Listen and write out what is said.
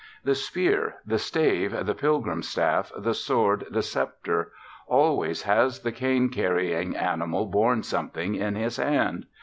The spear, the stave, the pilgrim's staff, the sword, the sceptre always has the cane carrying animal borne something in his hand.